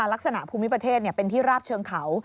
ลักษณะภูมิประเทศเป็นที่ราบเชิงเขา